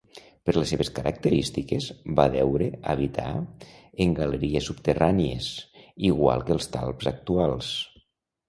Per les seves característiques, va deure habitar en galeries subterrànies, igual que els talps actuals.